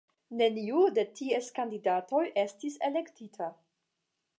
Neniu de ties kandidatoj estis elektita.